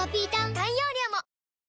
大容量も！